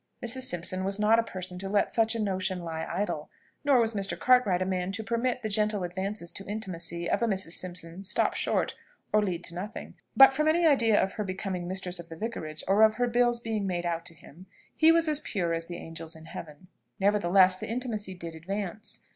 Mrs. Simpson was not a person to let such a notion lie idle; nor was Mr. Cartwright a man to permit the gentle advances to intimacy of a Mrs. Simpson stop short, or lead to nothing. But from any idea of her becoming mistress of the Vicarage, or of her bills being made out to him, he was as pure as the angels in heaven. Nevertheless, the intimacy did advance.